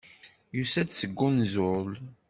Yusa-d seg unẓul.